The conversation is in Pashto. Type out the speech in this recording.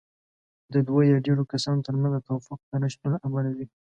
د دوو يا ډېرو کسانو ترمنځ د توافق د نشتون له امله وي.